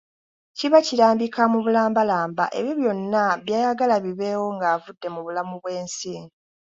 Kiba kirambika mu bulambalamba ebyo byonna by'ayagala bibeewo ng'avudde mu bulamu bw'ensi.